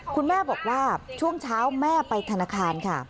คุณแม่บอกว่าช่วงเช้าแม่ไปธนาคารค่ะ